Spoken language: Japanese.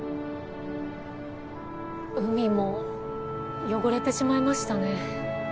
海も汚れてしまいましたね